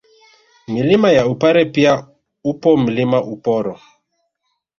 Milima ya Upare pia upo Mlima Uporo